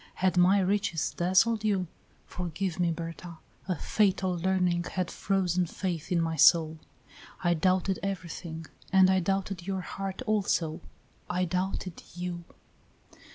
Had my riches dazzled you? Forgive me, Berta. A fatal learning had frozen faith in my soul; I doubted everything, and I doubted your heart also I doubted you."